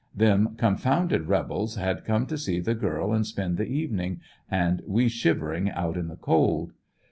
Them confounded rebels had come to see the girl and spend the evening, and we shiver ing out in the cold.